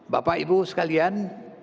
bapak ibu sekalian